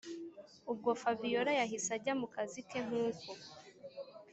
ubwo fabiora yahise ajya mukazi ke nkuko